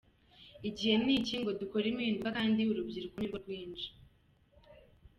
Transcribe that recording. Igihe ni iki ngo dukore impinduka kandi urubyiruko ni rwo rwinshi.